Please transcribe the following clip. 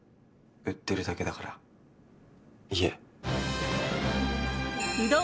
売ってるだけだから家。